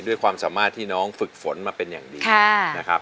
ด้วยความสามารถที่น้องฝึกฝนมาเป็นอย่างดีนะครับ